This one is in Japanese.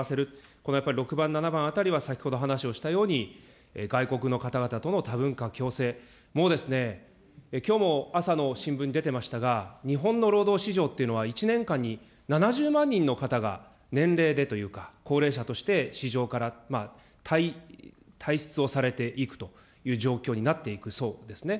この６番、７番あたりは、先ほど話をしたように、外国の方々との多文化共生も、きょうも朝の新聞に出てましたが、日本の労働市場っていうのは、１年間に７０万人の方が年齢でというか、高齢者として市場から退出をされていくという状況になっていくそうですね。